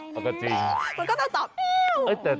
มันก็ต้องตอบแมว